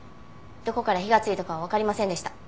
どこから火がついたかはわかりませんでした。